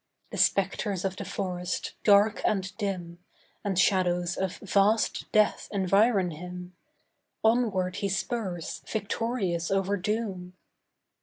The spectres of the forest, dark and dim, And shadows of vast death environ him Onward he spurs victorious over doom.